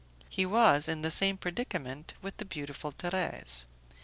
He was in the same predicament with the beautiful Thérèse.